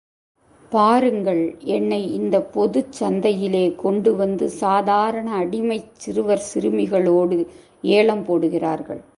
பாருங்கள் என்னை இந்தப் பொதுச் சந்தையிலே கொண்டு வந்து சாதாரண அடிமைச் சிறுவர் சிறுமிகளோடு ஏலம் போடுகிறார்கள்.